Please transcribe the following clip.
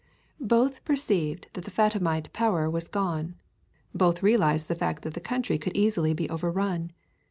Both perceived that the Fatimite power was gone. Both realized the fact that the country could easily be overrun.